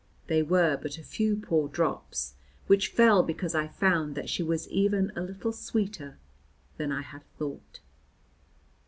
They were but a few poor drops, which fell because I found that she was even a little sweeter than I had thought.